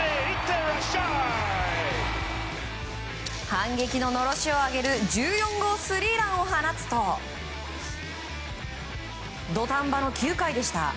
反撃ののろしを上げる１４号スリーランを放つと土壇場の９回でした。